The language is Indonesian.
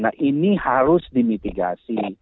nah ini harus dimitigasi